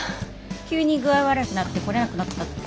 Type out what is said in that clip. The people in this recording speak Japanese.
急に具合悪くなって来れなくなったって。